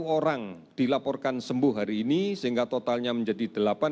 empat ratus tujuh puluh satu orang dilaporkan sembuh hari ini sehingga totalnya menjadi delapan empat ratus enam